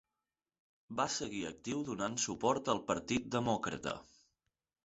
Va seguir actiu donant suport al Partit Demòcrata.